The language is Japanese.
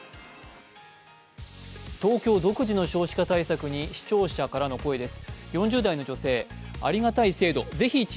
東京独自の少子化対策に視聴者からの声です。